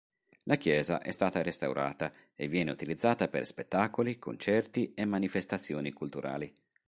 La chiesa è stata restaurata e viene utilizzata per spettacoli, concerti e manifestazioni culturali.